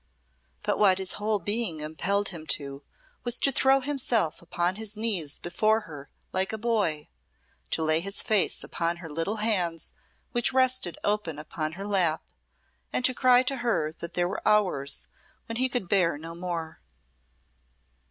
But what his whole being impelled him to, was to throw himself upon his knees before her like a boy, to lay his face upon her little hands which rested open upon her lap, and to cry to her that there were hours when he could bear no more.